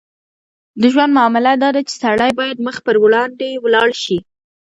د ژوند معامله داده چې سړی باید مخ پر وړاندې ولاړ شي.